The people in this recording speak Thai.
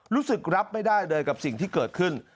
รู้สึกรับไม่ได้เลยกับสิ่งที่เกิดขึ้น